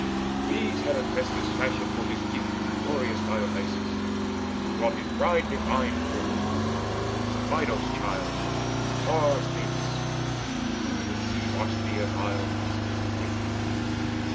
These had Hephaestus fashioned for his gift To glorious Dionysus, when he brought His bride divine to Olympus, Minos' child Far famous, whom in sea washed Dia's isle Theseus unwitting left.